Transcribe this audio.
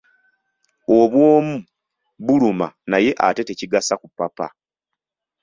Obw'omu buluma naye ate tekigasa kupapa.